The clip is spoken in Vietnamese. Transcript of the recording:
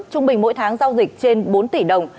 trung bình mỗi tháng giao dịch trên bốn tỷ đồng